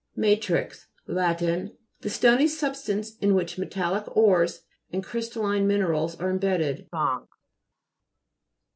WA'TRTX Lat. The stony substance in which metallic ores and crystal line minerals are imbedded.